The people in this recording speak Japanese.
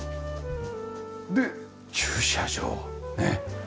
で駐車場ねっ。